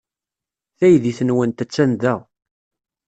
Taydit-nwent attan da.